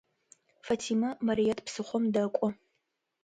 Фатимэ Марыет псыхъом дэкӏо.